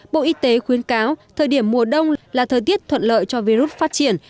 bộ y tế khuyến cáo thời điểm mùa đông là thời tiết thuận lợi cho virus phát triển